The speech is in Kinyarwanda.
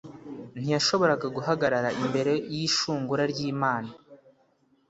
ntiyashoboraga guhagarara imbere y'ishungura ry'Imana.